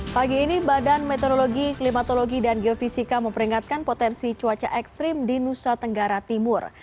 pagi ini badan meteorologi klimatologi dan geofisika memperingatkan potensi cuaca ekstrim di nusa tenggara timur